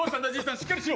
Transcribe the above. ⁉しっかりしろ。